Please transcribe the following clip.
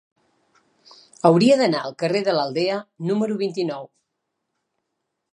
Hauria d'anar al carrer de l'Aldea número vint-i-nou.